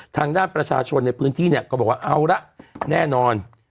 ทางด้านประชาชนในพื้นที่เนี่ยก็บอกว่าเอาละแน่นอน